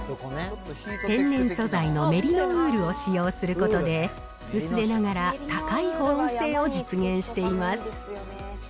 天然素材のメリノウールを使用することで、薄手ながら高い保温性を実現しています。